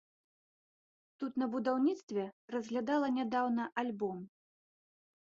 Тут на будаўніцтве разглядала нядаўна альбом.